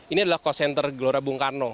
ini adalah cost center gelora bung karno